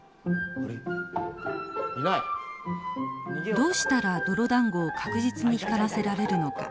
どうしたら泥だんごを確実に光らせられるのか。